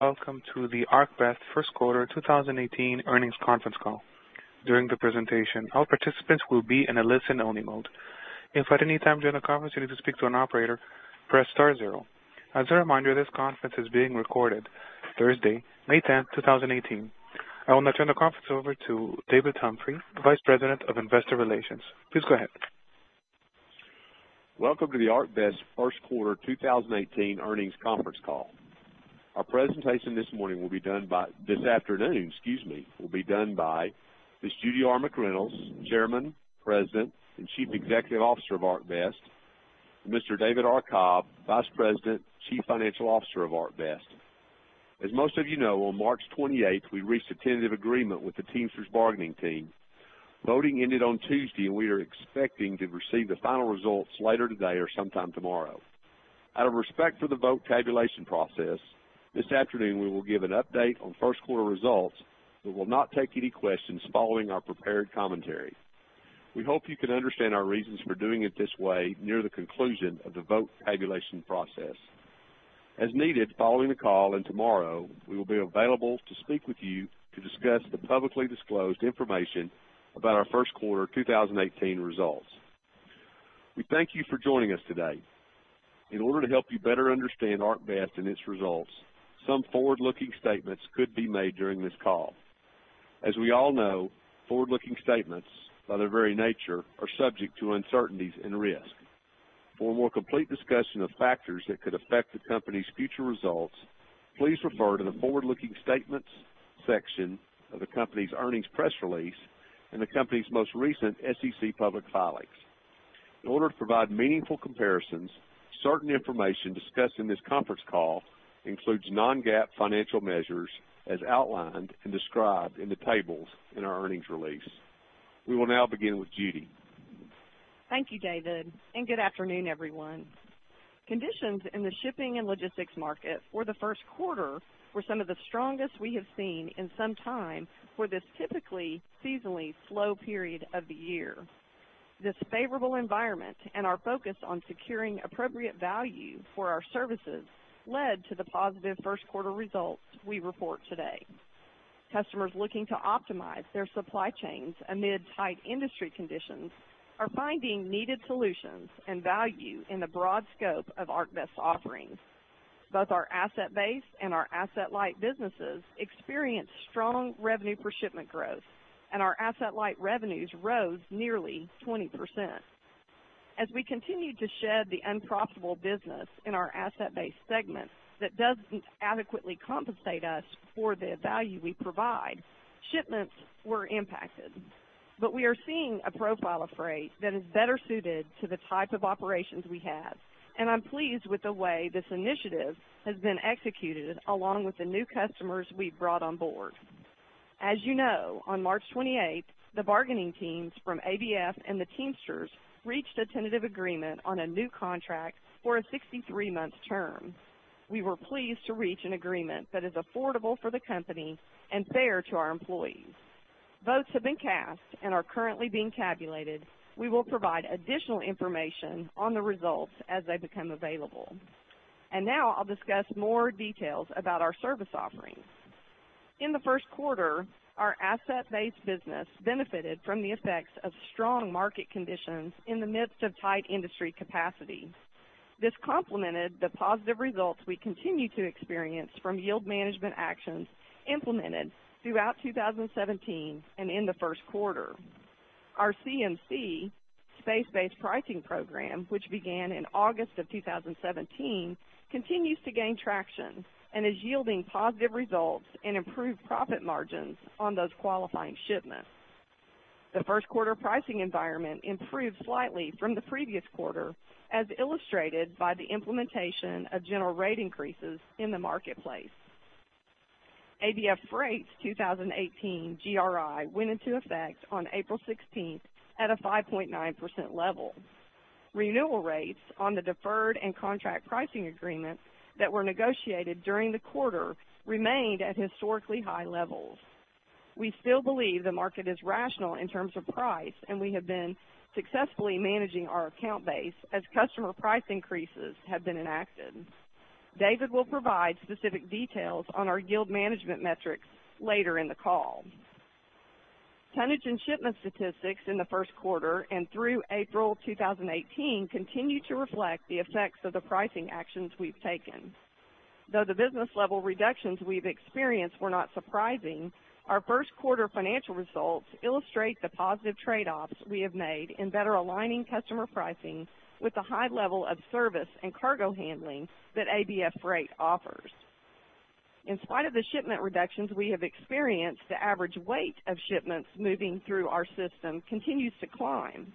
...Welcome to the ArcBest First Quarter 2018 Earnings Conference Call. During the presentation, all participants will be in a listen-only mode. If at any time during the conference, you need to speak to an operator, press star zero. As a reminder, this conference is being recorded Thursday, May 10th, 2018. I will now turn the conference over to David Humphrey, Vice President of Investor Relations. Please go ahead. Welcome to the ArcBest First Quarter 2018 Earnings Conference Call. Our presentation this morning will be done by, this afternoon, excuse me, will be done by Ms. Judy R. McReynolds, Chairman, President, and Chief Executive Officer of ArcBest, and Mr. David R. Cobb, Vice President, Chief Financial Officer of ArcBest. As most of you know, on March 28th, we reached a tentative agreement with the Teamsters bargaining team. Voting ended on Tuesday, and we are expecting to receive the final results later today or sometime tomorrow. Out of respect for the vote tabulation process, this afternoon, we will give an update on first quarter results, but will not take any questions following our prepared commentary. We hope you can understand our reasons for doing it this way near the conclusion of the vote tabulation process. As needed, following the call and tomorrow, we will be available to speak with you to discuss the publicly disclosed information about our first quarter 2018 results. We thank you for joining us today. In order to help you better understand ArcBest and its results, some forward-looking statements could be made during this call. As we all know, forward-looking statements, by their very nature, are subject to uncertainties and risk. For a more complete discussion of factors that could affect the company's future results, please refer to the Forward-Looking Statements section of the company's earnings press release and the company's most recent SEC public filings. In order to provide meaningful comparisons, certain information discussed in this conference call includes non-GAAP financial measures, as outlined and described in the tables in our earnings release. We will now begin with Judy. Thank you, David, and good afternoon, everyone. Conditions in the shipping and logistics market for the first quarter were some of the strongest we have seen in some time for this typically seasonally slow period of the year. This favorable environment and our focus on securing appropriate value for our services led to the positive first quarter results we report today. Customers looking to optimize their supply chains amid tight industry conditions are finding needed solutions and value in the broad scope of ArcBest offerings. Both our asset-based and our asset-light businesses experienced strong revenue per shipment growth, and our asset-light revenues rose nearly 20%. As we continue to shed the unprofitable business in our asset-based segment that doesn't adequately compensate us for the value we provide, shipments were impacted. But we are seeing a profile of freight that is better suited to the type of operations we have, and I'm pleased with the way this initiative has been executed, along with the new customers we've brought on board. As you know, on March 28th, the bargaining teams from ABF and the Teamsters reached a tentative agreement on a new contract for a 63-month term. We were pleased to reach an agreement that is affordable for the company and fair to our employees. Votes have been cast and are currently being tabulated. We will provide additional information on the results as they become available. And now I'll discuss more details about our service offerings. In the first quarter, our asset-based business benefited from the effects of strong market conditions in the midst of tight industry capacity. This complemented the positive results we continue to experience from yield management actions implemented throughout 2017 and in the first quarter. Our CMC, space-based pricing program, which began in August of 2017, continues to gain traction and is yielding positive results and improved profit margins on those qualifying shipments. The first quarter pricing environment improved slightly from the previous quarter, as illustrated by the implementation of general rate increases in the marketplace. ABF Freight's 2018 GRI went into effect on April 16th at a 5.9% level. Renewal rates on the deferred and contract pricing agreements that were negotiated during the quarter remained at historically high levels. We still believe the market is rational in terms of price, and we have been successfully managing our account base as customer price increases have been enacted. David will provide specific details on our yield management metrics later in the call. Tonnage and shipment statistics in the first quarter and through April 2018 continue to reflect the effects of the pricing actions we've taken. Though the business level reductions we've experienced were not surprising, our first quarter financial results illustrate the positive trade-offs we have made in better aligning customer pricing with the high level of service and cargo handling that ABF Freight offers. In spite of the shipment reductions we have experienced, the average weight of shipments moving through our system continues to climb.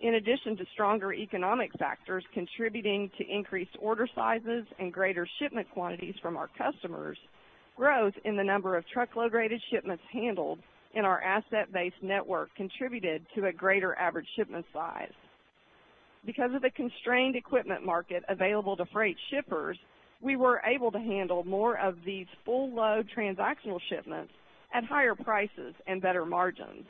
In addition to stronger economic factors contributing to increased order sizes and greater shipment quantities from our customers, growth in the number of truckload-rated shipments handled in our asset-based network contributed to a greater average shipment size. Because of the constrained equipment market available to freight shippers, we were able to handle more of these full load transactional shipments at higher prices and better margins....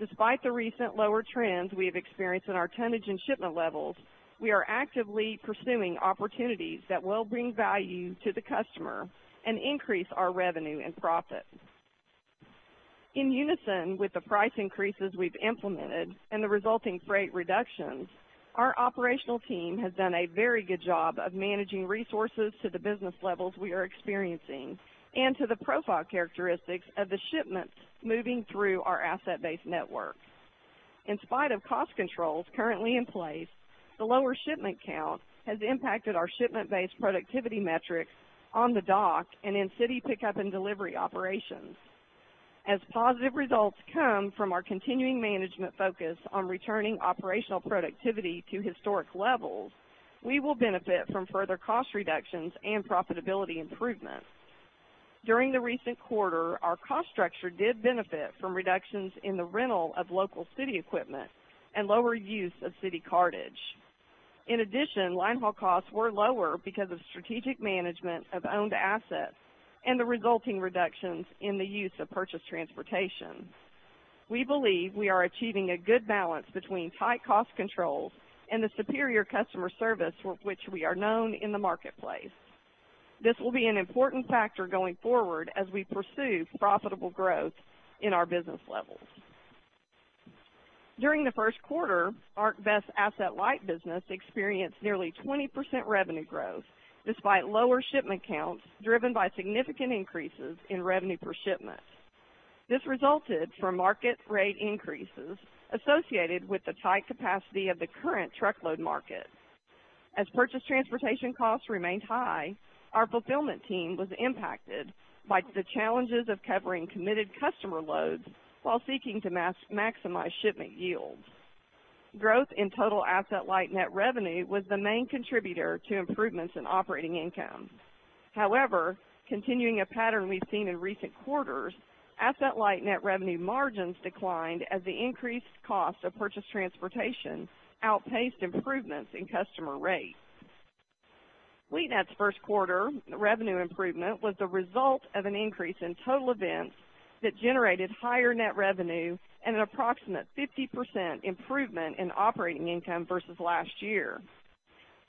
Despite the recent lower trends we have experienced in our tonnage and shipment levels, we are actively pursuing opportunities that will bring value to the customer and increase our revenue and profit. In unison with the price increases we've implemented and the resulting freight reductions, our operational team has done a very good job of managing resources to the business levels we are experiencing and to the profile characteristics of the shipments moving through our asset-based network. In spite of cost controls currently in place, the lower shipment count has impacted our shipment-based productivity metrics on the dock and in city pickup and delivery operations. As positive results come from our continuing management focus on returning operational productivity to historic levels, we will benefit from further cost reductions and profitability improvements. During the recent quarter, our cost structure did benefit from reductions in the rental of local city equipment and lower use of city cartage. In addition, linehaul costs were lower because of strategic management of owned assets and the resulting reductions in the use of purchased transportation. We believe we are achieving a good balance between tight cost controls and the superior customer service for which we are known in the marketplace. This will be an important factor going forward as we pursue profitable growth in our business levels. During the first quarter, ArcBest Asset-Light business experienced nearly 20% revenue growth despite lower shipment counts, driven by significant increases in revenue per shipment. This resulted from market rate increases associated with the tight capacity of the current truckload market. As purchased transportation costs remained high, our fulfillment team was impacted by the challenges of covering committed customer loads while seeking to maximize shipment yields. Growth in total Asset-Light net revenue was the main contributor to improvements in operating income. However, continuing a pattern we've seen in recent quarters, Asset-Light net revenue margins declined as the increased cost of purchased transportation outpaced improvements in customer rates. FleetNet's first quarter revenue improvement was the result of an increase in total events that generated higher net revenue and an approximate 50% improvement in operating income versus last year.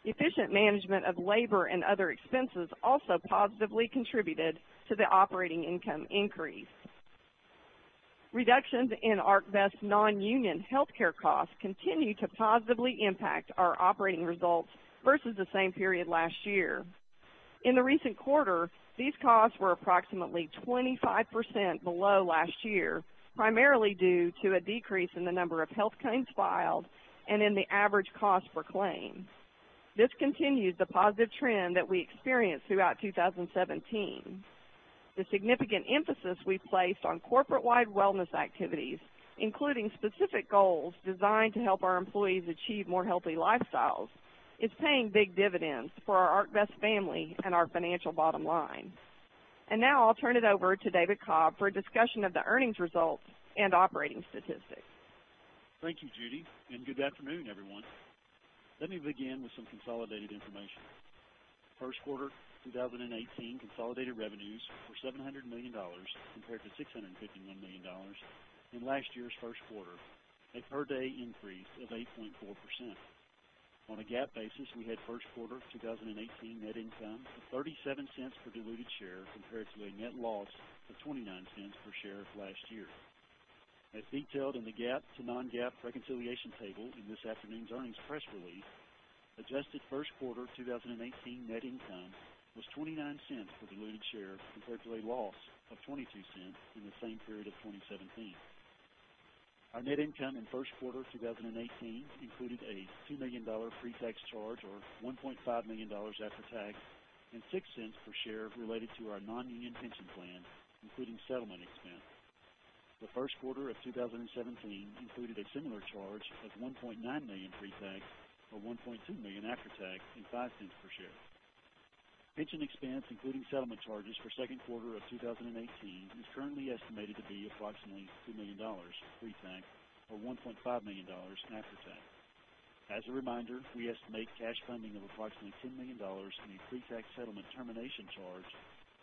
Efficient management of labor and other expenses also positively contributed to the operating income increase. Reductions in ArcBest non-union healthcare costs continue to positively impact our operating results versus the same period last year. In the recent quarter, these costs were approximately 25% below last year, primarily due to a decrease in the number of health claims filed and in the average cost per claim. This continues the positive trend that we experienced throughout 2017. The significant emphasis we've placed on corporate-wide wellness activities, including specific goals designed to help our employees achieve more healthy lifestyles, is paying big dividends for our ArcBest family and our financial bottom line. Now I'll turn it over to David Cobb for a discussion of the earnings results and operating statistics. Thank you, Judy, and good afternoon, everyone. Let me begin with some consolidated information. First quarter 2018 consolidated revenues were $700 million, compared to $651 million in last year's first quarter, a per-day increase of 8.4%. On a GAAP basis, we had first quarter 2018 net income of $0.37 per diluted share, compared to a net loss of $0.29 per share last year. As detailed in the GAAP to non-GAAP reconciliation table in this afternoon's earnings press release, adjusted first quarter 2018 net income was $0.29 per diluted share, compared to a loss of $0.22 in the same period of 2017. Our net income in first quarter 2018 included a $2 million pre-tax charge, or $1.5 million after tax, and $0.06 per share related to our non-union pension plan, including settlement expense. The first quarter of 2017 included a similar charge of $1.9 million pre-tax, or $1.2 million after tax, and $0.05 per share. Pension expense, including settlement charges for second quarter of 2018, is currently estimated to be approximately $2 million pre-tax, or $1.5 million after tax. As a reminder, we estimate cash funding of approximately $10 million and a pre-tax settlement termination charge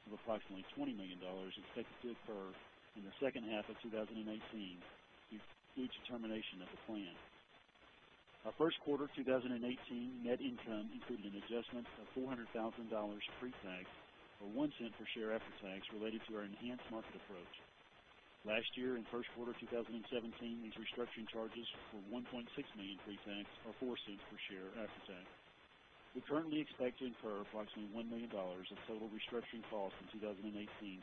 of approximately $20 million expected to occur in the second half of 2018, with complete termination of the plan. Our first quarter 2018 net income included an adjustment of $400,000 pre-tax, or $0.01 per share after tax, related to our enhanced market approach. Last year, in first quarter 2017, these restructuring charges were $1.6 million pre-tax, or $0.04 per share after tax. We're currently expecting for approximately $1 million of total restructuring costs in 2018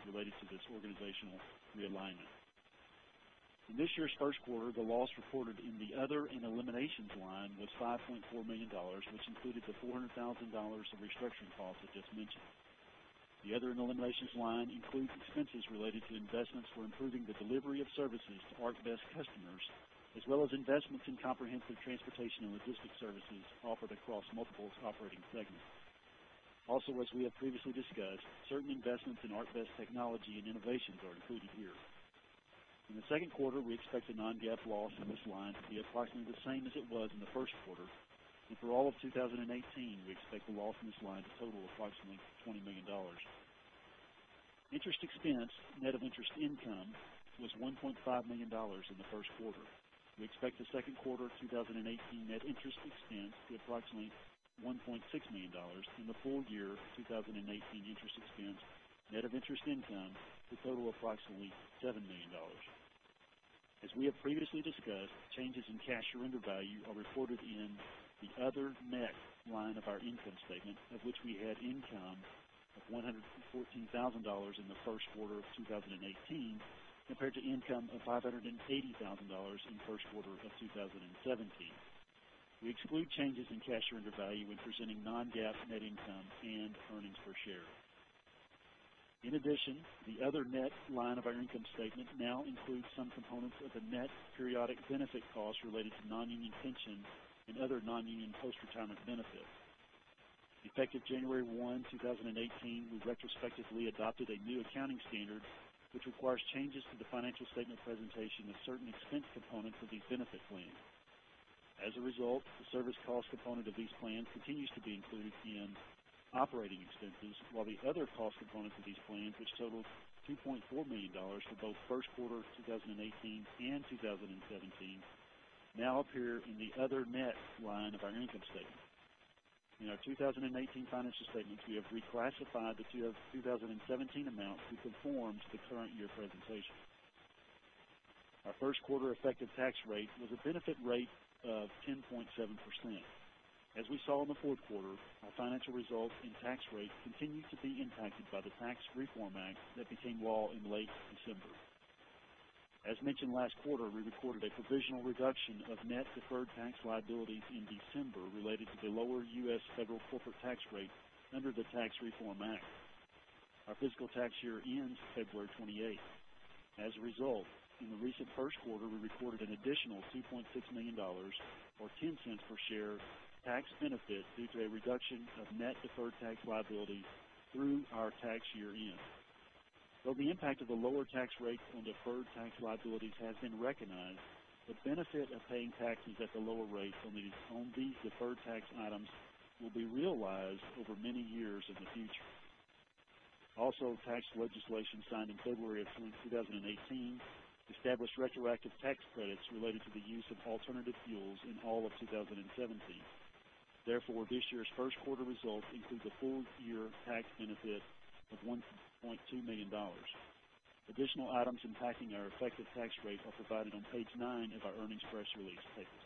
related to this organizational realignment. In this year's first quarter, the loss reported in the Other and Eliminations line was $5.4 million, which included the $400,000 of restructuring costs I just mentioned. The Other and Eliminations line includes expenses related to investments for improving the delivery of services to ArcBest customers, as well as investments in comprehensive transportation and logistics services offered across multiple operating segments. Also, as we have previously discussed, certain investments in ArcBest technology and innovations are included here. In the second quarter, we expect a non-GAAP loss in this line to be approximately the same as it was in the first quarter. For all of 2018, we expect the loss in this line to total approximately $20 million. Interest expense, net of interest income, was $1.5 million in the first quarter. We expect the second quarter 2018 net interest expense to be approximately $1.6 million, and the full year 2018 interest expense, net of interest income, to total approximately $7 million. As we have previously discussed, changes in cash surrender value are reported in the Other, Net line of our income statement, of which we had income of $114,000 in the first quarter of 2018, compared to income of $580,000 in first quarter of 2017. We exclude changes in cash surrender value when presenting non-GAAP net income and earnings per share. In addition, the Other, Net line of our income statement now includes some components of the net periodic benefit costs related to non-union pensions and other non-union post-retirement benefits. Effective January 1, 2018, we retrospectively adopted a new accounting standard, which requires changes to the financial statement presentation of certain expense components of these benefit plans. As a result, the service cost component of these plans continues to be included in operating expenses, while the other cost components of these plans, which totaled $2.4 million for both first quarter 2018 and 2017, now appear in the Other, Net line of our income statement. In our 2018 financial statements, we have reclassified the 2017 amounts to conform to the current year presentation. Our first quarter effective tax rate was a benefit rate of 10.7%. As we saw in the fourth quarter, our financial results and tax rate continued to be impacted by the Tax Reform Act that became law in late December. As mentioned last quarter, we recorded a provisional reduction of net deferred tax liabilities in December related to the lower U.S. federal corporate tax rate under the Tax Reform Act. Our fiscal tax year ends February 28th. As a result, in the recent first quarter, we recorded an additional $2.6 million, or 10 cents per share tax benefit, due to a reduction of net deferred tax liabilities through our tax year-end. Though the impact of the lower tax rate on deferred tax liabilities has been recognized, the benefit of paying taxes at the lower rate on these, on these deferred tax items will be realized over many years in the future. Also, tax legislation signed in February of 2018 established retroactive tax credits related to the use of alternative fuels in all of 2017. Therefore, this year's first quarter results include the full year tax benefit of $1.2 million. Additional items impacting our effective tax rate are provided on page 9 of our earnings press release tables.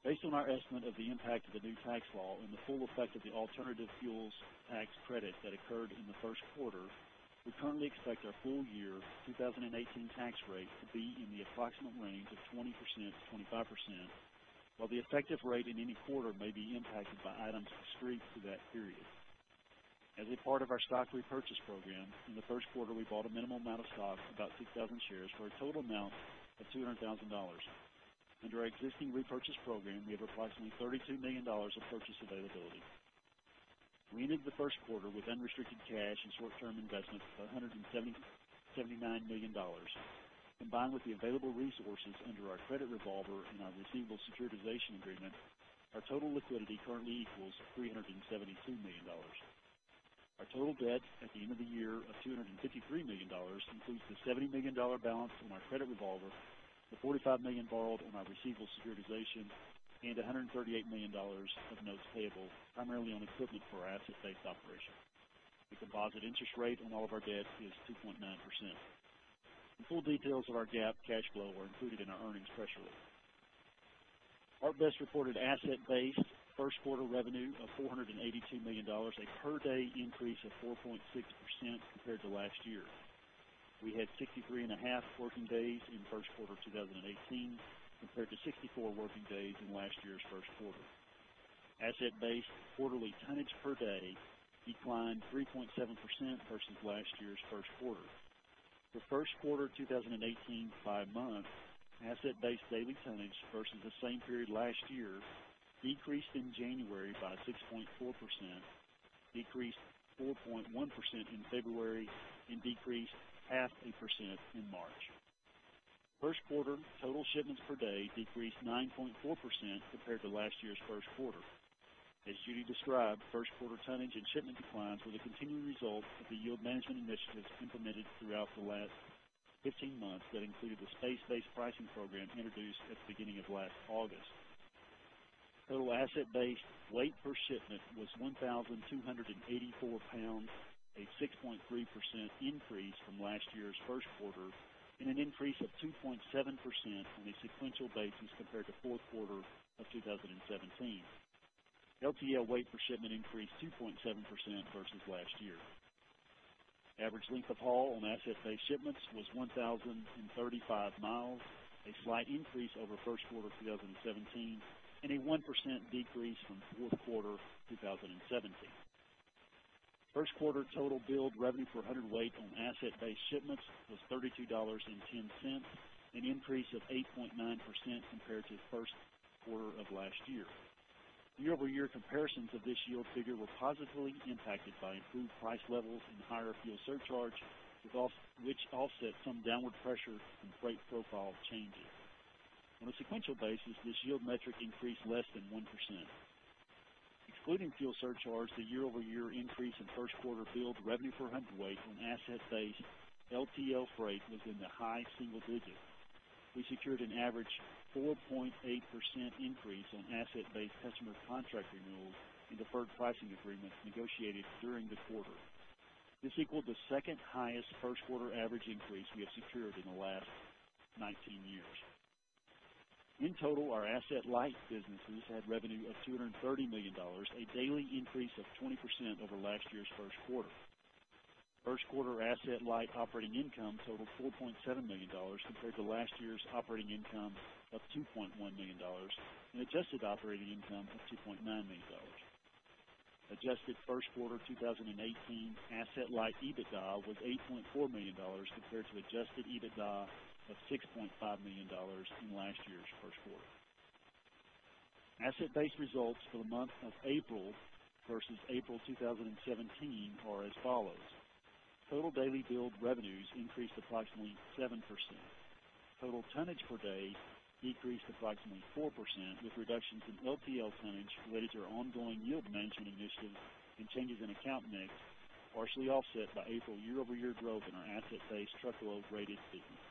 Based on our estimate of the impact of the new tax law and the full effect of the alternative fuels tax credit that occurred in the first quarter, we currently expect our full year 2018 tax rate to be in the approximate range of 20%-25%, while the effective rate in any quarter may be impacted by items discrete to that period. As a part of our stock repurchase program, in the first quarter, we bought a minimal amount of stocks, about 6,000 shares, for a total amount of $200,000. Under our existing repurchase program, we have approximately $32 million of purchase availability. We ended the first quarter with unrestricted cash and short-term investments of $177 million. Combined with the available resources under our credit revolver and our receivable securitization agreement, our total liquidity currently equals $372 million. Our total debt at the end of the year of $253 million includes the $70 million balance on our credit revolver, the $45 million borrowed on our receivable securitization, and $138 million of notes payable, primarily on equipment for our asset-based operation. The composite interest rate on all of our debt is 2.9%. The full details of our GAAP cash flow are included in our earnings press release. ArcBest reported asset-based first quarter revenue of $482 million, a per day increase of 4.6% compared to last year. We had 63.5 working days in first quarter 2018, compared to 64 working days in last year's first quarter. Asset-based quarterly tonnage per day declined 3.7% versus last year's first quarter. The first quarter 2018 by month, asset-based daily tonnage versus the same period last year, decreased in January by 6.4%, decreased 4.1% in February, and decreased 0.5% in March. First quarter total shipments per day decreased 9.4% compared to last year's first quarter. As Judy described, first quarter tonnage and shipment declines were the continuing results of the yield management initiatives implemented throughout the last 15 months that included the space-based pricing program introduced at the beginning of last August. Total asset-based weight per shipment was 1,284 lbs, a 6.3% increase from last year's first quarter, and an increase of 2.7% on a sequential basis compared to fourth quarter of 2017. LTL weight per shipment increased 2.7% versus last year. Average length of haul on asset-based shipments was 1,035 miles, a slight increase over first quarter 2017, and a 1% decrease from fourth quarter 2017. First quarter total billed revenue per hundredweight on asset-based shipments was $32.10, an increase of 8.9% compared to the first quarter of last year. Year-over-year comparisons of this yield figure were positively impacted by improved price levels and higher fuel surcharge, which offset some downward pressure from freight profile changes. On a sequential basis, this yield metric increased less than 1%. Excluding fuel surcharge, the year-over-year increase in first quarter billed revenue per hundredweight on asset-based LTL freight was in the high single digits. We secured an average 4.8% increase on asset-based customer contract renewals and deferred pricing agreements negotiated during the quarter. This equaled the second highest first quarter average increase we have secured in the last 19 years. In total, our asset-light businesses had revenue of $230 million, a daily increase of 20% over last year's first quarter. First quarter asset-light operating income totaled $4.7 million compared to last year's operating income of $2.1 million and adjusted operating income of $2.9 million. Adjusted first quarter 2018 asset-light EBITDA was $8.4 million compared to adjusted EBITDA of $6.5 million in last year's first quarter. Asset-based results for the month of April versus April 2017 are as follows: Total daily billed revenues increased approximately 7%. Total tonnage per day decreased approximately 4%, with reductions in LTL tonnage related to our ongoing yield management initiatives and changes in account mix, partially offset by April year-over-year growth in our asset-based truckload-rated business.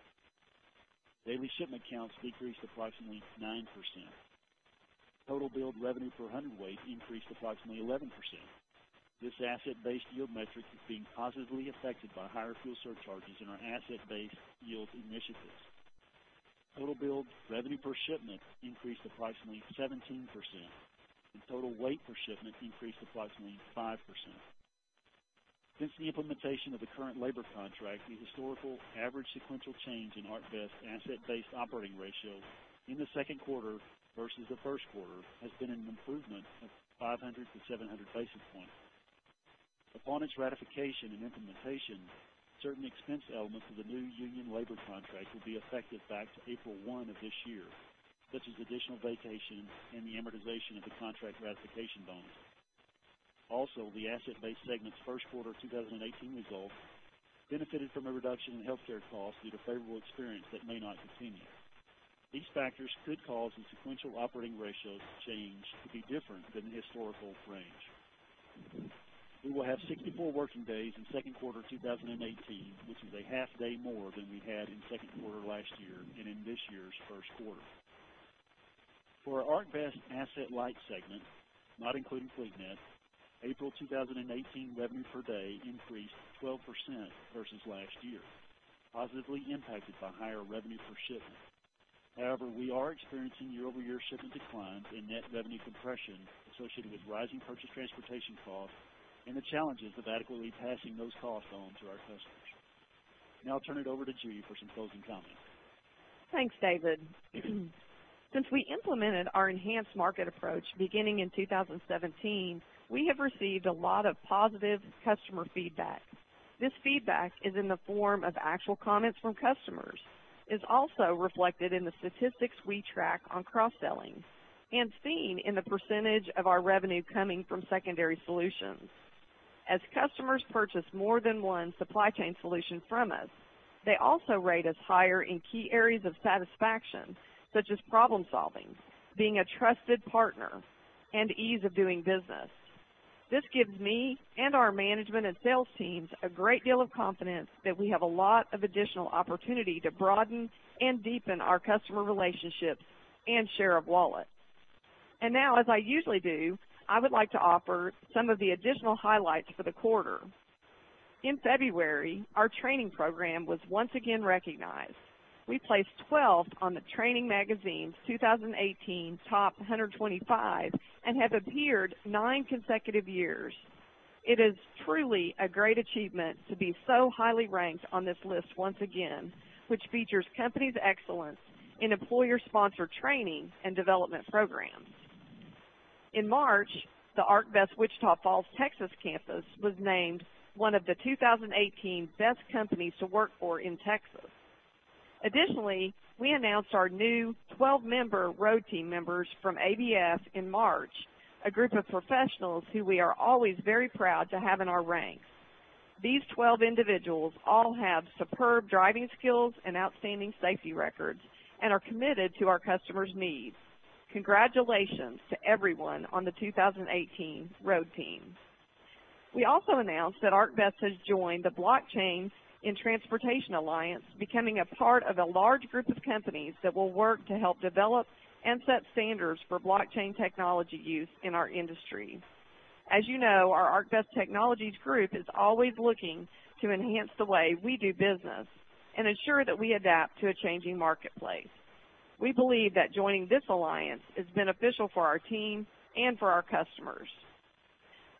Daily shipment counts decreased approximately 9%. Total billed revenue per hundredweight increased approximately 11%. This asset-based yield metric is being positively affected by higher fuel surcharges in our asset-based yield initiatives. Total billed revenue per shipment increased approximately 17%, and total weight per shipment increased approximately 5%. Since the implementation of the current labor contract, the historical average sequential change in ArcBest asset-based operating ratios in the second quarter versus the first quarter has been an improvement of 500-700 basis points. Upon its ratification and implementation, certain expense elements of the new union labor contract will be effective back to April 1 of this year, such as additional vacations and the amortization of the contract ratification bonus. Also, the asset-based segment's first quarter 2018 results benefited from a reduction in healthcare costs due to favorable experience that may not continue. These factors could cause the sequential operating ratios change to be different than the historical range. We will have 64 working days in second quarter 2018, which is a half day more than we had in second quarter last year and in this year's first quarter. For our ArcBest asset-light segment, not including FleetNet, April 2018 revenue per day increased 12% versus last year, positively impacted by higher revenue per shipment. However, we are experiencing year-over-year shipment declines and net revenue compression associated with rising purchase transportation costs and the challenges of adequately passing those costs on to our customers. Now I'll turn it over to Judy for some closing comments. Thanks, David. Since we implemented our enhanced market approach beginning in 2017, we have received a lot of positive customer feedback. This feedback is in the form of actual comments from customers. It's also reflected in the statistics we track on cross-selling and seen in the percentage of our revenue coming from secondary solutions. As customers purchase more than one supply chain solution from us, they also rate us higher in key areas of satisfaction, such as problem solving, being a trusted partner, and ease of doing business. This gives me and our management and sales teams a great deal of confidence that we have a lot of additional opportunity to broaden and deepen our customer relationships and share of wallet. And now, as I usually do, I would like to offer some of the additional highlights for the quarter. In February, our training program was once again recognized. We placed twelfth on the Training Magazine's 2018 Top 125, and have appeared nine consecutive years. It is truly a great achievement to be so highly ranked on this list once again, which features companies' excellence in employer-sponsored training and development programs. In March, the ArcBest Wichita Falls, Texas, campus was named one of the 2018 Best Companies to Work for in Texas. Additionally, we announced our new 12-member Road Team members from ABF in March, a group of professionals who we are always very proud to have in our ranks. These 12 individuals all have superb driving skills and outstanding safety records and are committed to our customers' needs. Congratulations to everyone on the 2018 Road Team! We also announced that ArcBest has joined the Blockchain in Transportation Alliance, becoming a part of a large group of companies that will work to help develop and set standards for blockchain technology use in our industry. As you know, our ArcBest Technologies group is always looking to enhance the way we do business and ensure that we adapt to a changing marketplace. We believe that joining this alliance is beneficial for our team and for our customers.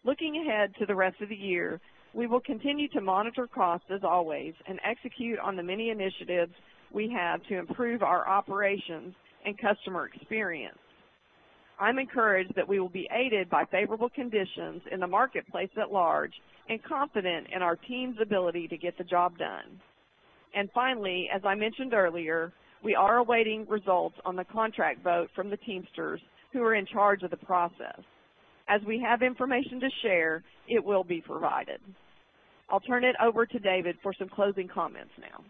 Looking ahead to the rest of the year, we will continue to monitor costs as always, and execute on the many initiatives we have to improve our operations and customer experience. I'm encouraged that we will be aided by favorable conditions in the marketplace at large and confident in our team's ability to get the job done. Finally, as I mentioned earlier, we are awaiting results on the contract vote from the Teamsters, who are in charge of the process. As we have information to share, it will be provided. I'll turn it over to David for some closing comments now.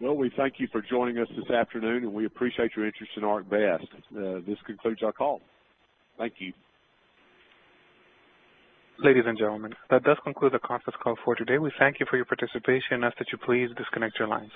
Well, we thank you for joining us this afternoon, and we appreciate your interest in ArcBest. This concludes our call. Thank you. Ladies and gentlemen, that does conclude the conference call for today. We thank you for your participation and ask that you please disconnect your lines.